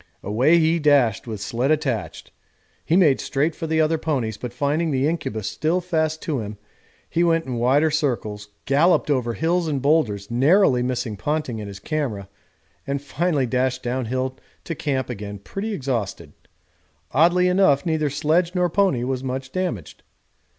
Away he dashed with sledge attached; he made straight for the other ponies, but finding the incubus still fast to him he went in wider circles, galloped over hills and boulders, narrowly missing Ponting and his camera, and finally dashed down hill to camp again pretty exhausted oddly enough neither sledge nor pony was much damaged.